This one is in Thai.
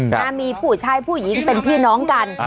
นะมีผู้ชายผู้หญิงเป็นพี่น้องกัน